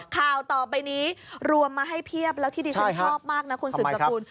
ข่าวต่อไปนี้รวมมาให้เพียบแล้วที่ดิฉันชอบมากนะคุณสืบสกุล